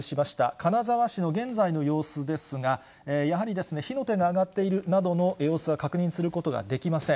金沢市の現在の様子ですが、やはり、火の手が上がっているなどの様子は確認することはできません。